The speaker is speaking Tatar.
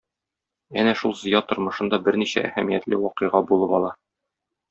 Әнә шул Зыя тормышында берничә әһәмиятле вакыйга булып ала.